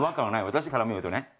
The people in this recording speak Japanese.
私から見るとね。